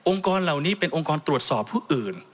กรเหล่านี้เป็นองค์กรตรวจสอบผู้อื่น